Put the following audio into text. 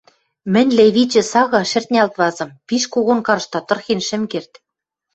Мӹнь левичӹ сага шӹртнялт вазым: пиш когон каршта, тырхен шӹм керд.